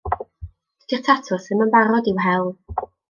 Dydi'r tatws ddim yn barod i'w hel.